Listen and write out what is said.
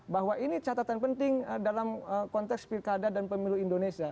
bahwa ini catatan penting dalam konteks pilkada dan pemilu indonesia